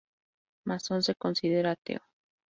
Mason se considera ateo.